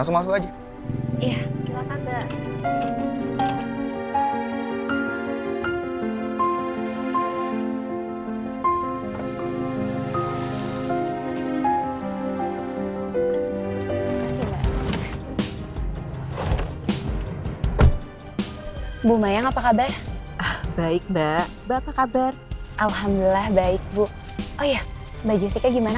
bu mayang apa kabar baik mbak bapak kabar alhamdulillah baik bu oh ya baju sih gimana